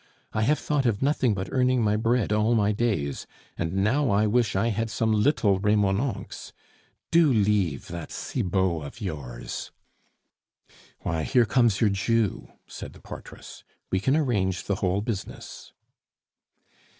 I have thought of nothing but earning my bread all my days, and now I wish I had some little Remonencqs. Do leave that Cibot of yours." "Why, here comes your Jew," said the portress; "we can arrange the whole business."